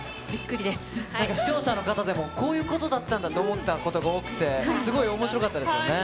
視聴者の方でも、こういうことだったんだって思ったことが多くて、すごいおもしろかったですよね。